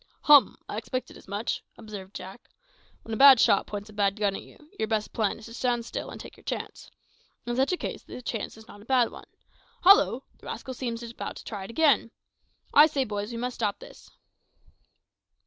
"Hum! I expected as much," observed Jack. "When a bad shot points a bad gun at you, your best plan is to stand still and take your chance. In such a case the chance is not a bad one. Hollo! the rascal seems about to try it again. I say, boys, we must stop this."